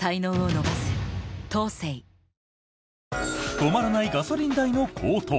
止まらないガソリン代の高騰。